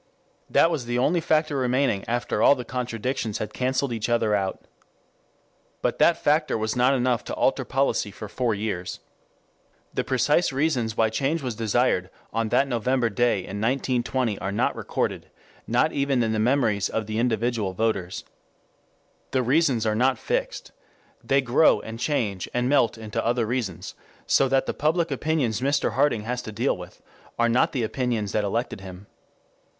That was the only factor remaining after all the contradictions had cancelled each other out. But that factor was enough to alter policy for four years. The precise reasons why change was desired on that November day in 1920 are not recorded, not even in the memories of the individual voters. The reasons are not fixed. They grow and change and melt into other reasons, so that the public opinions Mr. Harding has to deal with are not the opinions that elected him.